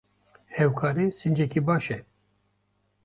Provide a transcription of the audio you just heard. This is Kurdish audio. Hevkarî sincekî baş e.